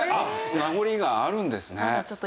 名残があるんですね。